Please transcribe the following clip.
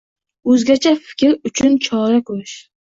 o‘zgacha fikr uchun chora ko'rish